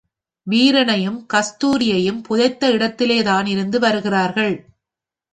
வீரனையும், கஸ்தூரியையும் புதைத்த இடத்திலே தான் இருந்து வருகிறார்கள்.